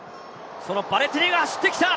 ヴァレティニが走ってきた！